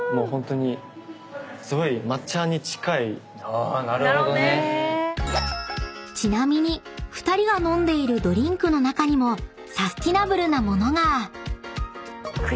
あなるほどね。［ちなみに２人が飲んでいるドリンクの中にもサスティナブルなものが！］